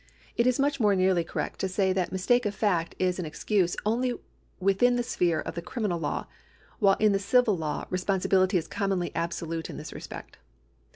It is much more nearly correct to say that mistake of fact is an excuse only within the sphere of the criminal law, while in the civil law responsibility is commonly absolute in this respect.